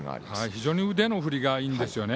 非常に腕の振りがいいんですよね。